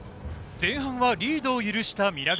前半はリード許した皆川。